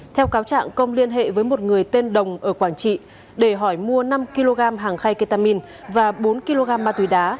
theo cáo trạng công liên hệ với một người tên đồng ở quảng trị để hỏi mua năm kg hàng khay ketamin và bốn kg ma túy đá